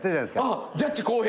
あっジャッジ公平。